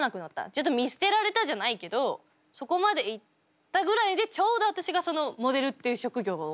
ちょっと見捨てられたじゃないけどそこまでいったぐらいでちょうど私がモデルっていう職業を見つけたから。